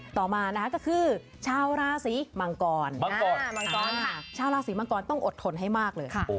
ต่อมานะคะก็คือชาวราศีมังกรมังกรค่ะชาวราศีมังกรต้องอดทนให้มากเลย